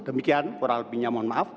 demikian kurang lebihnya mohon maaf